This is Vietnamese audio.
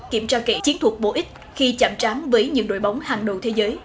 kiểm tra kỹ chiến thuật bổ ích khi chạm trám với những đội bóng hàng đầu thế giới